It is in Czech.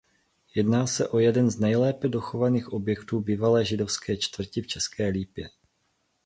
Jedná se o jeden z nejlépe dochovaných objektů bývalé židovské čtvrti v České Lípě.